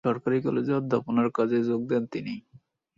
সরকারী কলেজে অধ্যাপনার কাজে যোগ দেন তিনি।